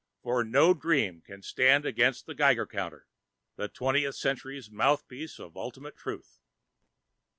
For no dreams can stand against the Geiger counter, the Twentieth Century's mouthpiece of ultimate truth.